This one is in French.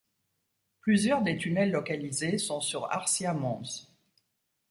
Plusieurs des tunnels localisés sont sur Arsia Mons.